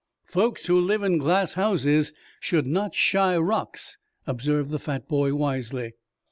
"Folks who live in glass houses, should not shy rocks," observed the fat boy wisely.